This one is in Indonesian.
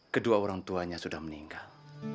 kedua orang tuanya sudah meninggal